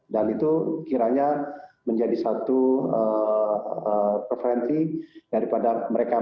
dan itu kiranya menjadi satu preferensi daripada mereka mereka yang